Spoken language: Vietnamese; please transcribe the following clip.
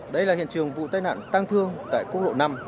đây là hiện trường vụ tai nạn tang thương tại quốc lộ năm